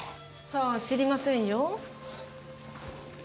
さあ知りませんよ。